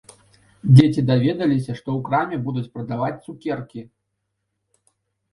Дзеці даведаліся, што ў краме будуць прадаваць цукеркі.